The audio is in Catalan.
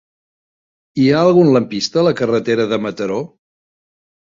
Hi ha algun lampista a la carretera de Mataró?